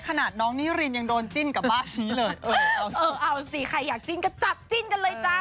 ขนาดน้องนิรินยังโดนจิ้นกับบ้านนี้เลยเออเอาสิใครอยากจิ้นก็จับจิ้นกันเลยจ้า